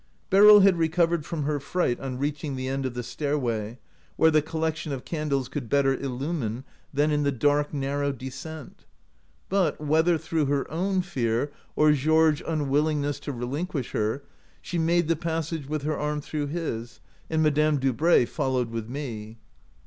" Beryl had recovered from her fright on reaching the end of the stairway, where the 26 OUT OF BOHEMIA collection of candles could better illumine than in the dark, narrow descent; but, whether through her own fear or Georges' unwillingness to relinquish her, she maile the passage with her arm through his, and Madame Dubray followed with me.